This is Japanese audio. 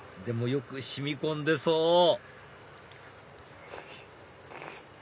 でもよく染み込んでそう！